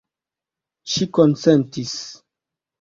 Ŝi konsentis.